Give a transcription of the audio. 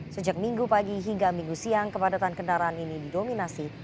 sejak minggu pagi hingga minggu siang kepadatan kendaraan ini didominasi